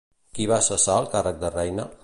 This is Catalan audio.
Qui va cessar el càrrec de Reyna?